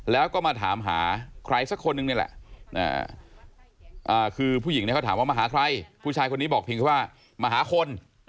แล้วก็มาถามหาใครสักคนนึงนี่แหละคือผู้หญิงเนี่ยเขาถามว่ามาหาใครผู้ชายคนนี้บอกเพียงแค่ว่ามาหาคน